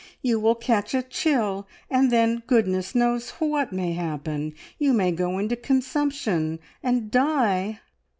You will catch a chill, and then goodness knows what may happen! You may go into consumption and die."